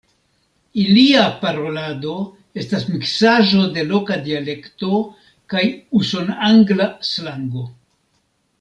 Ilia parolado estas miksaĵo de loka dialekto kaj usonangla slango.